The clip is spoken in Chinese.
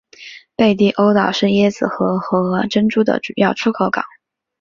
贝蒂欧岛是椰子核和珍珠的主要出口港。